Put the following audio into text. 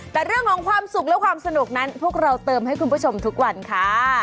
แต่เรื่องของความสุขและความสนุกนั้นพวกเราเติมให้คุณผู้ชมทุกวันค่ะ